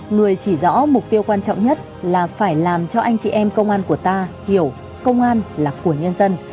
người chỉ rõ mục tiêu quan trọng nhất là phải làm cho anh chị em công an của ta hiểu công an là của nhân dân